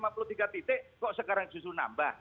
kok sekarang justru nambah